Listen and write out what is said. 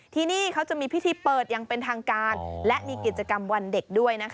ที่นี่เขาจะมีพิธีเปิดอย่างเป็นทางการและมีกิจกรรมวันเด็กด้วยนะคะ